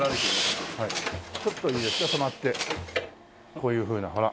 こういうふうなほら。